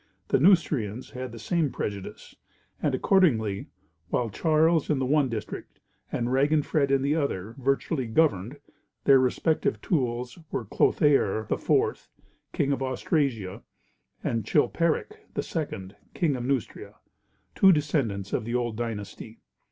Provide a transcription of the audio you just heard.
The Neustrians had the same prejudice; and, accordingly, while Charles in the one district, and Raginfred in the other, virtually governed, their respective tools were Clothaire IV., King of Austrasia, and Chilperic II., King of Neustria, two descendents of the old dynasty.